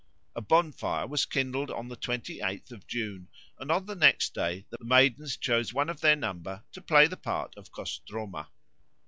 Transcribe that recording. A bonfire was kindled on the twenty eighth of June, and on the next day the maidens chose one of their number to play the part of Kostroma.